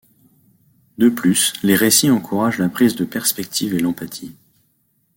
De plus les récits encouragent la prise de perspective et l'empathie.